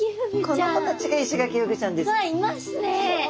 この子たちがイシガキフグちゃんです。